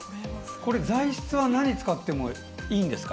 これ、材質は何を使ってもいいんですか？